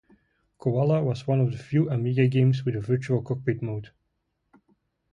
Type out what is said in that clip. Coala was one of the few Amiga games with a virtual cockpit mode.